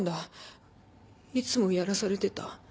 いつもやらされてた。